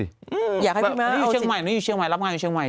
นี่อยู่เชียงใหม่รับงานอยู่เชียงใหม่